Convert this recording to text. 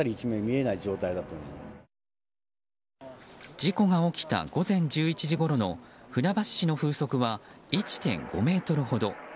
事故が起きた午前１１時ごろの船橋市の風速は１．５メートルほど。